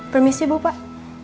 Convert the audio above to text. permisi bu pak